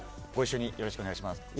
ご一緒によろしくお願いします。